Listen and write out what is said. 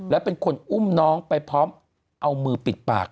และเป็นคนอุ้มน้องไปพร้อมเอามือปิดปาก